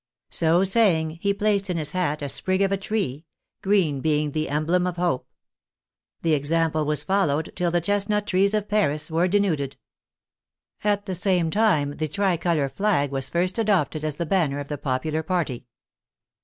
" So say ing, he placed in his hat a sprig of a tree — green being the emblem of hope. The example was followed till the chestnut trees of Paris were denuded. At the same time the tricolor flag was first adopted as the banner of the popular party.